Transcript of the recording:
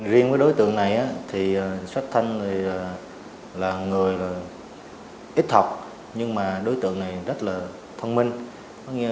riêng đối tượng này thì sách thanh thì là người ít học nhưng mà đối tượng này rất là thông minh